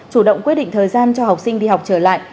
chủ động quyết định thời gian cho học sinh đi học trở lại